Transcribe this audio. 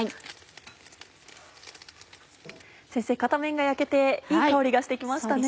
先生片面が焼けていい香りがして来ましたね。